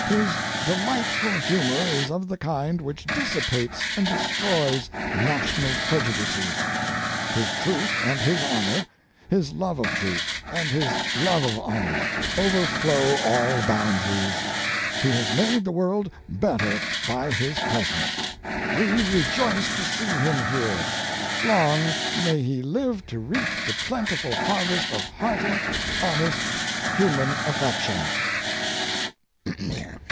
His delightful humor is of the kind which dissipates and destroys national prejudices. His truth and his honor, his love of truth, and his love of honor, overflow all boundaries. He has made the world better by his presence. We rejoice to see him here. Long may he live to reap the plentiful harvest of hearty, honest human affection!"